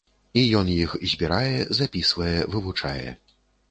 І ён іх збірае, запісвае, вывучае.